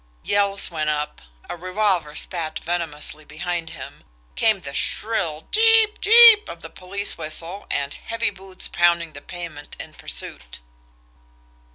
Yells went up, a revolver spat venomously behind him, came the shrill CHEEP CHEEP! of the police whistle, and heavy boots pounding the pavement in pursuit.